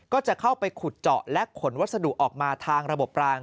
ก็จะเข้าไปขุดเจาะและขนวัสดุออกมาทางระบบราง